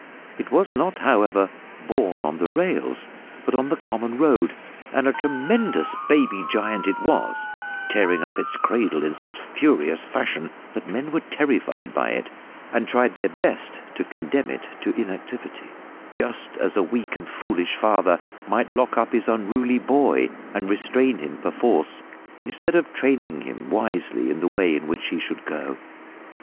It was not however born on the rails, but on the common road, and a tremendous baby giant it was, tearing up its cradle in such furious fashion that men were terrified by it, and tried their best to condemn it to inactivity, just as a weak and foolish father might lock up his unruly boy and restrain him perforce, instead of training him wisely in the way in which he should go.